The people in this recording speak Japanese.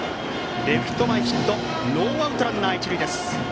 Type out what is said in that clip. レフト前ヒットでノーアウトランナー、一塁です。